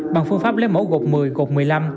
bằng phương pháp lấy mẫu gột một mươi gột một mươi năm